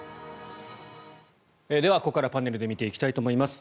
ではここからパネルで見ていきたいと思います。